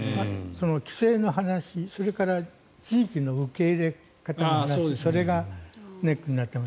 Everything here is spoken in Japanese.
地質の話それから地域の受け入れ方それがネックになっています。